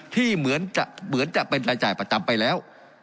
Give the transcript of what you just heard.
ที่เหมือนจะเป็นรายจ่ายประจำไปแล้ว